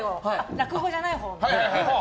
落語じゃないほう。